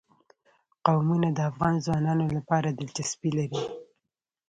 قومونه د افغان ځوانانو لپاره دلچسپي لري.